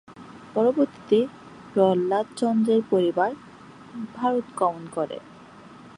পরবর্তীতে প্রহ্লাদ চন্দ্রের পরিবার ভারত গমন করে।